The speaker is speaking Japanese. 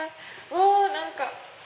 うお何か。